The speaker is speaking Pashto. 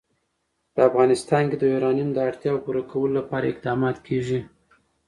په افغانستان کې د یورانیم د اړتیاوو پوره کولو لپاره اقدامات کېږي.